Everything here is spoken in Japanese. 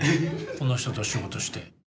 この人と仕事して。